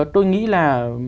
tôi nghĩ là